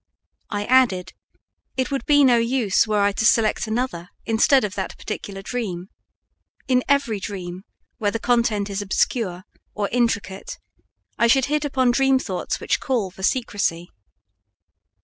I added, it would be no use were I to select another instead of that particular dream; in every dream where the content is obscure or intricate, I should hit upon dream thoughts which call for secrecy.